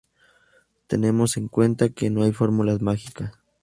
tenemos en cuenta que no hay fórmulas mágicas